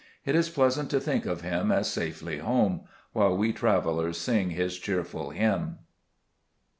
It is pleasant to think of him as safely home, while we travelers sing his cheer ful hymn.